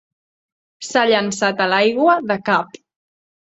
S'ha llançat a l'aigua de cap.